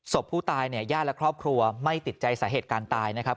ศพผู้ตายเนี่ยญาติและครอบครัวไม่ติดใจสาเหตุการณ์ตายนะครับ